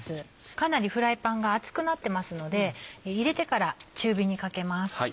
かなりフライパンが熱くなってますので入れてから中火にかけます。